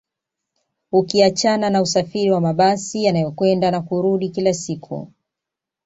Ukiachana na usafiri wa mabasi yanayokwenda na kurudi kila siku